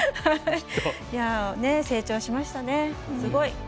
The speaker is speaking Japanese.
成長しましたね、すごい。